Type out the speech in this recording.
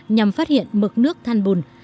nhằm phát hiện mực nước than bùn